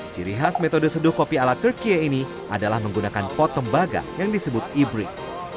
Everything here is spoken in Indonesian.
ciri khas metode seduh kopi ala turkiye ini adalah menggunakan pot tembaga yang disebut ebring